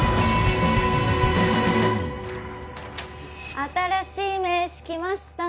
新しい名刺来ました。